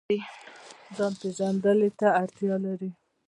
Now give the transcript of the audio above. ځان پیژندنې ته اړتیا لري